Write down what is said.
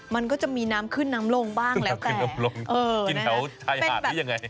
มันก็จะมีน้ำขึ้นน้ำลงบ้างแล้วกันกินแถวชายหาดหรือยังไง